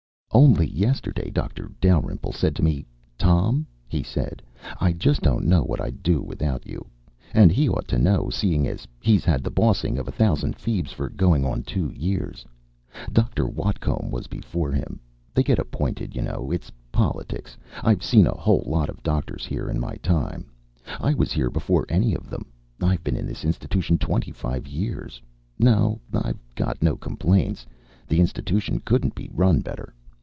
Only yesterday Doctor Dalrymple said to me, "Tom," he said, "I just don't know what I'd do without you." And he ought to know, seeing as he's had the bossing of a thousand feebs for going on two years. Dr. Whatcomb was before him. They get appointed, you know. It's politics. I've seen a whole lot of doctors here in my time. I was here before any of them. I've been in this institution twenty five years. No, I've got no complaints. The institution couldn't be run better.